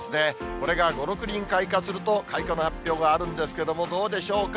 これが５、６輪開花すると、開花の発表があるんですけれども、どうでしょうか？